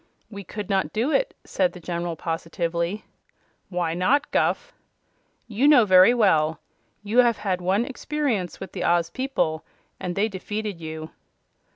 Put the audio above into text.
"We could not do it," said the General, positively. "Why not, Guph?" "You know very well. You have had one experience with the Oz people, and they defeated you."